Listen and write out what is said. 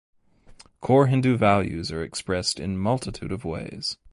Core Hindu values are expressed in multitude of ways.